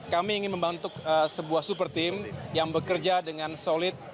kami ingin membantu sebuah superteam yang bekerja dengan solid